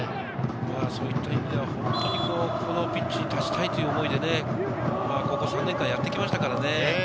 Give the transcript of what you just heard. そういった意味では、本当にこのピッチに立ちたいという思いで、ここ３年間やってきましたからね。